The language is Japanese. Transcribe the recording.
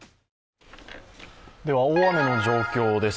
では大雨の状況です。